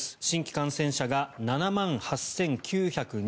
新規感染者が７万８９２７人。